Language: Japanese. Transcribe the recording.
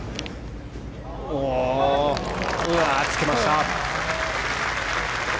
つけました！